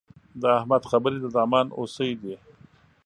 د احمد خبرې د دامان هوسۍ دي.